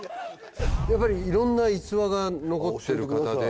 やっぱりいろんな逸話が残ってる方で。